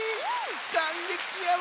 かんげきやわ。